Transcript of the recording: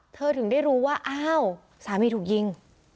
ถึงได้รู้ว่าอ้าวสามีถูกยิง